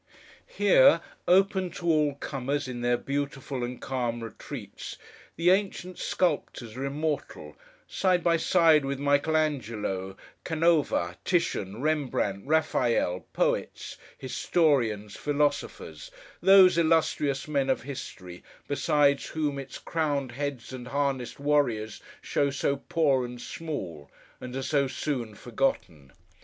Here, open to all comers, in their beautiful and calm retreats, the ancient Sculptors are immortal, side by side with Michael Angelo, Canova, Titian, Rembrandt, Raphael, Poets, Historians, Philosophers—those illustrious men of history, beside whom its crowned heads and harnessed warriors show so poor and small, and are so soon forgotten.